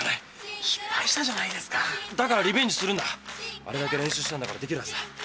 あれだけ練習したんだからできるはずだ。